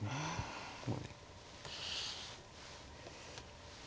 ここまで。